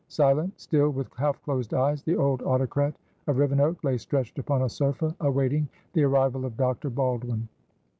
Silent, still, with half closed eyes, the old autocrat of Rivenoak lay stretched upon a sofa awaiting the arrival of Dr. Baldwin.